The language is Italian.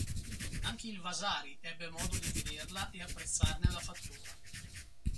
Anche il Vasari ebbe modo di vederla e apprezzarne la fattura.